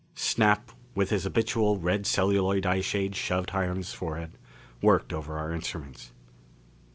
Snap, with his habitual red celluloid eyeshade shoved high on his forehead, worked over our instruments.